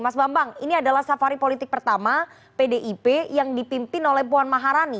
mas bambang ini adalah safari politik pertama pdip yang dipimpin oleh puan maharani